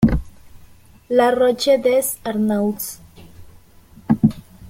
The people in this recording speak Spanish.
La Roche-des-Arnauds